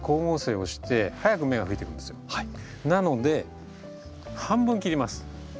なので半分切ります。